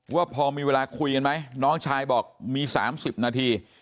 ว่าพอมีเวลาคุยกันไหมน้องชายบอกมี๓๐นาที